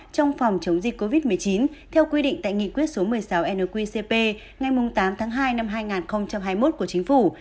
trong phòng chống dịch covid một mươi chín theo quy định tại nghị quyết số một mươi sáu nqcp ngày tám tháng hai năm hai nghìn hai mươi một của chính phủ